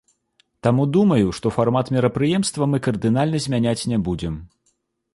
Таму думаю, што фармат мерапрыемства мы кардынальна змяняць не будзем.